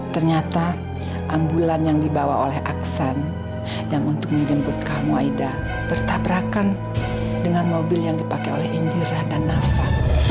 ternyata ambulan yang dibawa oleh aksan yang untuk menjemputkan waida bertabrakan dengan mobil yang dipakai oleh indira dan nafa